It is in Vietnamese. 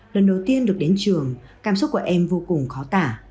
lần đầu tiên được đến trường cảm xúc của em vô cùng khó tả